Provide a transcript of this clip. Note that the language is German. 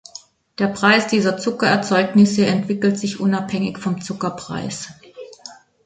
Der Preis dieser Zuckererzeugnisse entwickelt sich unabhängig vom Zuckerpreis.